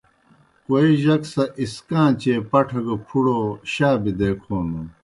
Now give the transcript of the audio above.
کوئے جک سہ اسکان٘چیئے پٹھہ گہ پُھڑو شا بِدے کھونَن۔